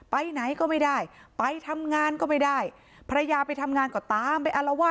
ไปไหนก็ไม่ได้ไปทำงานก็ไม่ได้ภรรยาไปทำงานก็ตามไปอารวาส